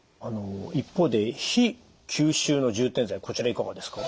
一方で非吸収の充填剤こちらいかがですか？